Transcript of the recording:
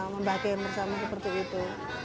membahagiain bersama seperti itu